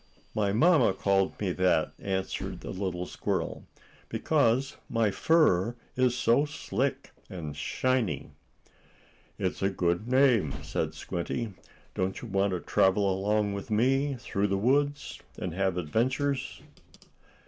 "My mamma called me that," answered the little squirrel, "because my fur is so slick and shiny." "It is a good name," said Squinty. "Don't you want to travel along with me, through the woods, and have adventures?"